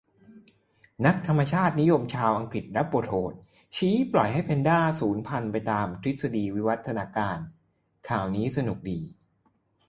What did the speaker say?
นักธรรมชาตินิยมชาวอังกฤษรับบทโหด ชี้ควรปล่อยให้"แพนดา"สูญพันธุ์ไปตามทฤษฎีวิวัฒนาการ ข่าวนี้สนุกดี